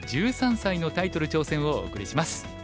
１３歳のタイトル挑戦」をお送りします。